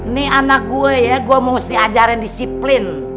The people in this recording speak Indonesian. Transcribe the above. nih anak gue ya gue mesti ajarin disiplin